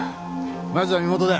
まずは身元だ。